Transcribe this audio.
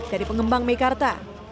dari pengembang meikarta